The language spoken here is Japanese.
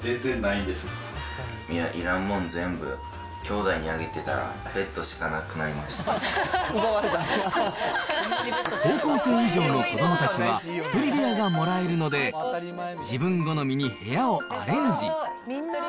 いや、いらんもん全部きょうだいにあげてたら、ベッドしかなくなりまし高校生以上の子どもたちは、１人部屋がもらえるので、自分好みに部屋をアレンジ。